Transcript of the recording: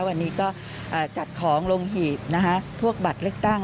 วันนี้ก็จัดของลงหีบพวกบัตรเลือกตั้ง